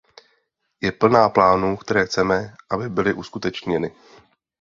Je plná plánů, které chceme, aby byly uskutečněny.